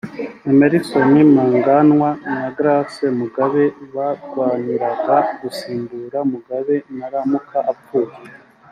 Emmerson Mnanganwa na Grace Mugabe barwaniraga gusimbura Mugabe naramuka apfuye